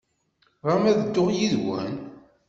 Tebɣam ad dduɣ yid-wen?